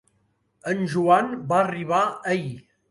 En Joan va arribar ahir.